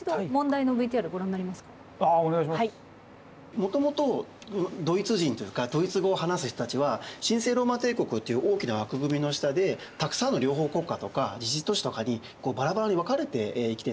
もともとドイツ人っていうかドイツ語を話す人たちは神聖ローマ帝国という大きな枠組みの下でたくさんの領邦国家とか自治都市とかにバラバラに分かれて生きていたんですね。